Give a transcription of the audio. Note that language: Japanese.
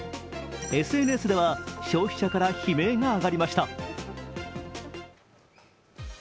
ＳＮＳでは消費者から悲鳴が上がりました。